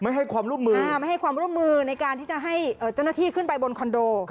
ให้ความร่วมมือไม่ให้ความร่วมมือในการที่จะให้เจ้าหน้าที่ขึ้นไปบนคอนโด